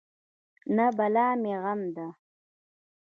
نه بلا مې غم ده.